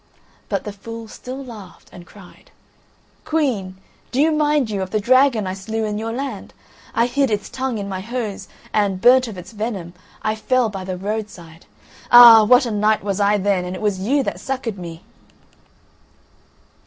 But the fool still laughed and cried: "Queen, do you mind you of the dragon I slew in your land? I hid its tongue in my hose, and, burnt of its venom, I fell by the roadside. Ah! what a knight was I then, and it was you that succoured me."